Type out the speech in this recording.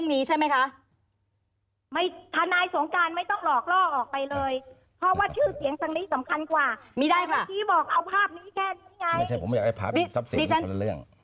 มีได้ค่ะไม่ใช่ผมอยากให้ภาพที่ซับเสียงให้พันเรื่อง